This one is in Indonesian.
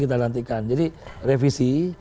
kita nantikan jadi revisi